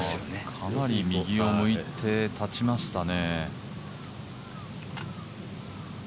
かなり右を向いて立ちましたね。